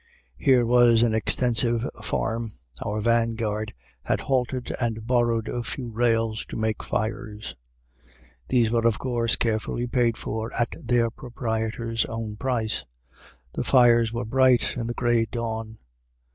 Here was an extensive farm. Our vanguard had halted and borrowed a few rails to make fires. These were, of course, carefully paid for at their proprietor's own price. The fires were bright in the gray dawn.